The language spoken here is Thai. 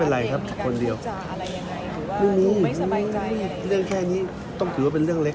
เรื่องแค่นี้ถึงเป็นเรื่องเล็ก